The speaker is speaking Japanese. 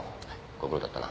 ご苦労だったな。